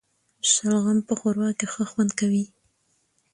شلغم په ښوروا کي ښه خوند کوي